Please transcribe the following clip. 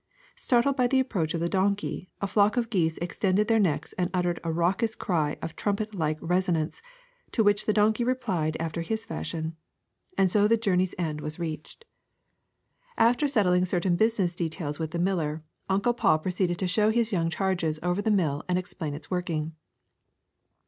Startled by the approach of the donkey, a flock of geese extended their necks and uttered a raucous cry of trumpet like resonance, to which the donkey replied after his fashion. And so the journey's end was reached. 257 ^58 THE SECRET OF EVERYDAY THINGS After settling certain business details with the miller, Uncle Paul proceeded to show his young charges over the mill and explain its working.